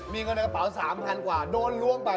มีเงินในกระเป๋า๓๐๐กว่าโดนล้วงไป